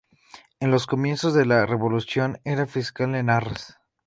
En los comienzos de la revolución era fiscal en Arras.